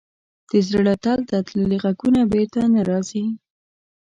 د زړه تل ته تللي ږغونه بېرته نه راځي.